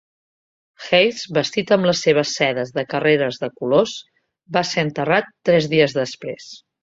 Hayes, vestit amb les seves sedes de carreres de colors, va ser enterrat tres dies després.